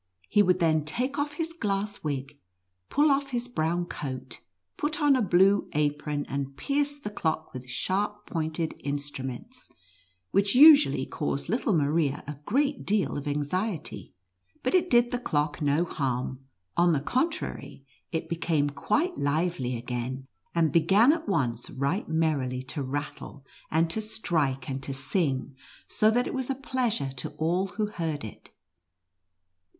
He would then take off his glass wig, pull off his brown coat, put on a blue apron, and pierce the clock with sharp pointed instruments, which usually caused little Maria a great deal of anxiety. But it did the clock no harm ; on the contrary, it became quite lively again, and began at once right merrily to rattle, and to strike, and to sing, so that it was a pleasure to all who heard it.